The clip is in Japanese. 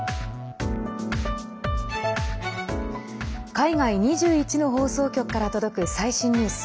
海外２１の放送局から届く最新ニュース。